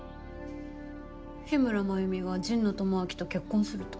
日村繭美が神野智明と結婚すると？